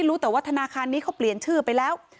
รู้แต่ว่าธนาคารนี้เขาเปลี่ยนชื่อไปแล้ว